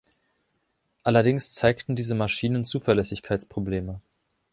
Allerdings zeigten diese Maschinen Zuverlässigkeitsprobleme.